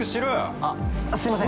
◆あっ、すいません。